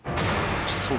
［そう。